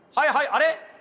あれ？